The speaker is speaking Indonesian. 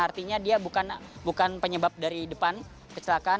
artinya dia bukan penyebab dari depan kecelakaan